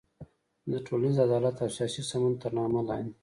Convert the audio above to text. د ټولنیز عدالت او سیاسي سمون تر نامه لاندې